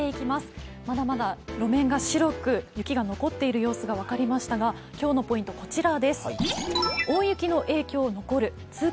まだまだ路面が白く、雪が残っている様子が分かりましたが今日のポイント、こちらです。